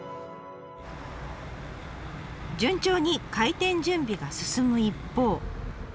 順調に開店準備が進む一方。